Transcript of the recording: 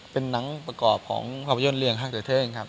เป็นหนังประกอบของภาพยนตร์เรียงฮังเตอร์เทิงครับ